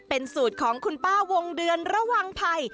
เป็นสูตรของคุณป้าวงเดือนระวังภัย